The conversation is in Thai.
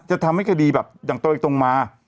จะทำให้คดีแบบอย่างตรงไปตรงมา